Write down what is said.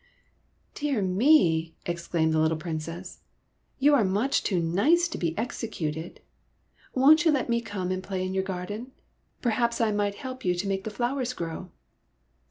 '' Dear me !" exclaimed the little Princess. '* You are much too nice to be executed ! Won't you let me come and play in your gar den ? Perhaps I might help you to make the flowers grow."